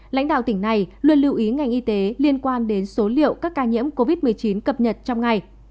lãnh đạo tỉnh này luôn lưu ý ngành y tế liên quan đến số liệu các ca nhiễm covid một mươi chín cập nhật trong ngày